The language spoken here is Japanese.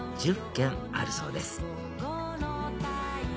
１０軒あるそうです